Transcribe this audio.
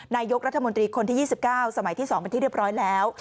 นายกรัฐมนตรีคนที่๒๙สมัยที่๒เป็นที่เรียบร้อยแล้ว